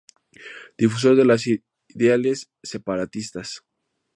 Difusor de los ideales separatistas.